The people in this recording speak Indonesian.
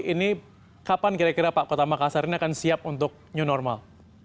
ini kapan kira kira pak kota makassar ini akan siap untuk new normal